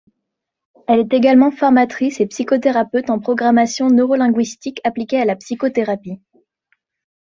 Elle est également formatrice et psychothérapeute en programmation neuro-linguistique appliquée à la psychothérapie.